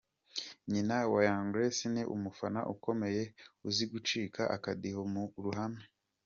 Nyina wa Young Grace ni umufana ukomeye uzi gucika akadiho mu ruhame.